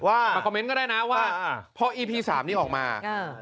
มาคอมเมนต์ก็ได้นะว่าเพราะอีพี๓นี้ออกมา